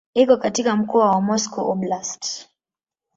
Iko katika mkoa wa Moscow Oblast.